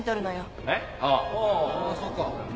あっそっか。